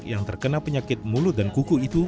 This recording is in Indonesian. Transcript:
yang terkena penyakit mulut dan kuku itu